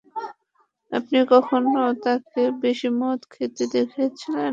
আপনি কখনো তাঁকে বেশি মদ খেতে দেখেছিলেন?